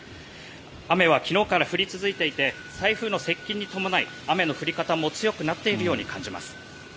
雨は昨日から降り続いていて台風の接近に伴い雨の降り方も強くなっているように感じます。